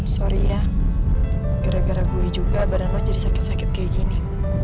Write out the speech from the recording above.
sorry ya gara gara gue juga barang mah jadi sakit sakit kayak gini